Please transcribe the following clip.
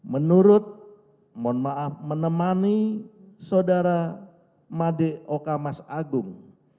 menurut mohon maaf menemani saudara made okamas agung